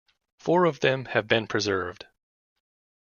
Four of them have been preserved.